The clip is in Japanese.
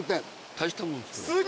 大したもんです。